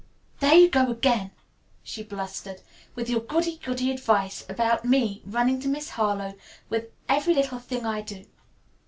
"There you go again," she blustered, "with your goody goody advice to me about running to Miss Harlowe with every little thing I do.